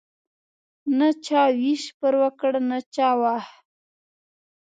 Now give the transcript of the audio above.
نه چا ویش پر وکړ نه چا واخ.